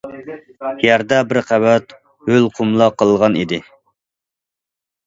يەردە بىر قەۋەت ھۆل قۇملا قالغان ئىدى.